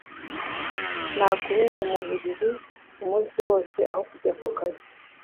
Nagumye mu buriri umunsi wose aho kujya ku kazi